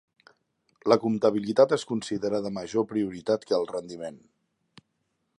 La compatibilitat es considera de major prioritat que el rendiment.